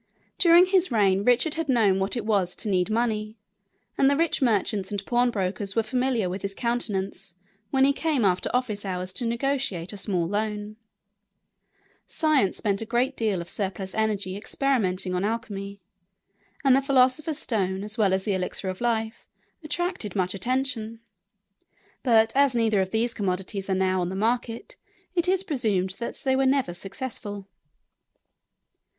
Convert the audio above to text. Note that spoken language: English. During his reign Richard had known what it was to need money, and the rich merchants and pawnbrokers were familiar with his countenance when he came after office hours to negotiate a small loan. [Illustration: RICHARD HAS A CONFERENCE WITH THE MONEY LENDER.] Science spent a great deal of surplus energy experimenting on alchemy, and the Philosopher's Stone, as well as the Elixir of Life, attracted much attention; but, as neither of these commodities are now on the market, it is presumed that they were never successful.